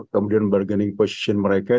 kemudian bargaining position mereka